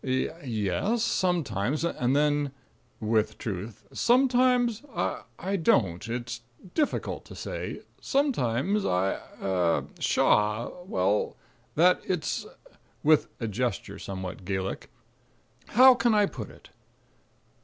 "Y yes. Sometimes. And then (with truth) sometimes I I don't. It's difficult to say. Sometimes I er Shaw er well, it's " (with a gesture somewhat Gallic) "How can I put it?"